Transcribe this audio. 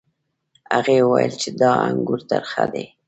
هغې وویل چې دا انګور ترخه دي.